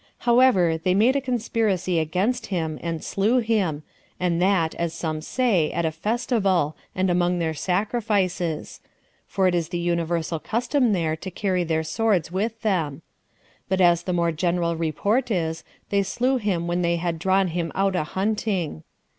However, they made a conspiracy against him, and slew him, and that, as some say, at a festival, and among their sacrifices; [for it is the universal custom there to carry their swords with them;] but, as the more general report is, they slew him when they had drawn him out a hunting.